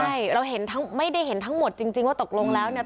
ใช่เราเห็นทั้งไม่ได้เห็นทั้งหมดจริงว่าตกลงแล้วเนี่ย